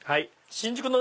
新宿の？